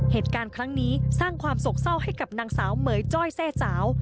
เหตุการณ์ครั้งนี้สร้างความโศกเศร้าให้กับนางสาวเหม๋ยจ้อยแทร่สาว